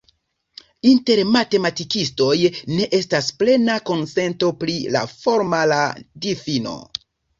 Inter matematikistoj ne estas plena konsento pri la formala difino.